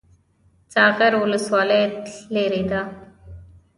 ساغر ولسوالۍ لیرې ده؟